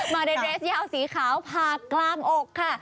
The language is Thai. มาเดสยาวสีขาวผ่ากลางอกค่ะ